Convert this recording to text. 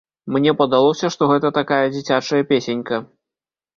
Мне падалося, што гэта такая дзіцячая песенька.